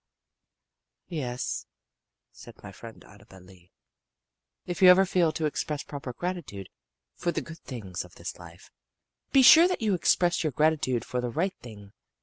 "Yes," said my friend Annabel Lee, "if you ever feel to express proper gratitude for the good things of this life, be sure that you express your gratitude for the right thing.